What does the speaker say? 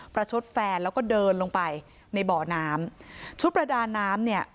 ประชดแฟนแล้วก็เดินลงไปในบ่อน้ำชุดประดาน้ำเนี่ย